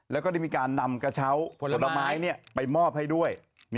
แล้วก็ได้มีการนำกระเช้าผลไม้ไปมอบให้ด้วย